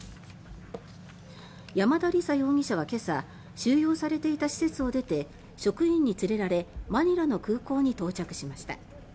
山田李沙容疑者は今朝収容されていた施設を出て職員に連れられマニラの空港に到着しました。